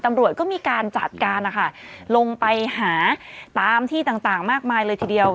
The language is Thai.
ตำรวจก็มีการจัดการนะคะลงไปหาตามที่ต่างมากมายเลยทีเดียว